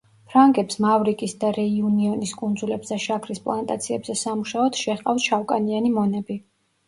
ფრანგებს მავრიკის და რეიუნიონის კუნძულებზე შაქრის პლანტაციებზე სამუშაოდ შეჰყავდათ შავკანიანი მონები.